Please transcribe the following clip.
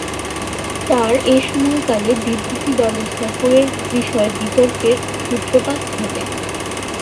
তার এ সময়কালে বিদ্রোহী দলের সফরের বিষয়ে বিতর্কের সূত্রপাত ঘটে।